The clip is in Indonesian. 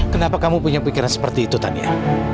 kenapa kamu punya pikiran seperti itu tania